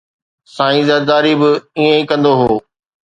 سائين زرداري به ائين ئي ڪندو هو